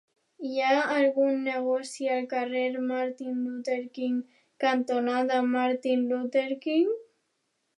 Hi ha algun negoci al carrer Martin Luther King cantonada Martin Luther King?